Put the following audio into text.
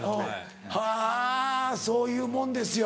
はぁそういうもんですよ